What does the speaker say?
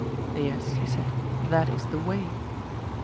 Yes, he said, that is the way.